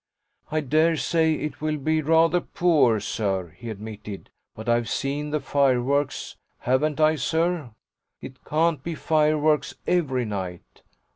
"I daresay it will be rather poor, sir," he admitted; "but I've seen the fireworks, haven't I, sir? it can't be fireworks EVERY night.